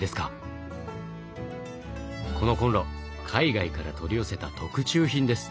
このコンロ海外から取り寄せた特注品です。